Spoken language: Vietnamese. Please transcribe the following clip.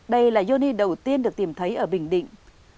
đây là yoni đầu tiên được tìm thấy ở bình định